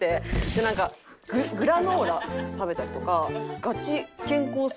でなんかグラノーラ食べたりとか。